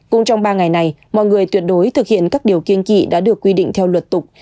cũng trong ba ngày này mọi người tuyệt đối thực hiện các điều kiên trị đã được quy định theo luật tục